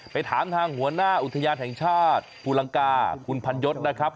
ไปถามทางหัวหน้าอุทยานแห่งชาติภูลังกาคุณพันยศนะครับ